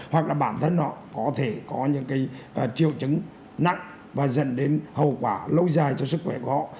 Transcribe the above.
hoặc là bản thân họ có thể có những triệu chứng nặng và dẫn đến hậu quả lâu dài cho sức khỏe của họ